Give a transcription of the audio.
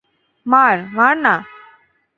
মার, মার না।